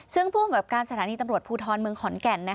ซึ่งผู้อำกับการสถานีตำรวจภูทรเมืองขอนแก่น